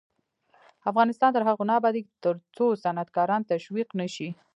افغانستان تر هغو نه ابادیږي، ترڅو صنعتکاران تشویق نشي.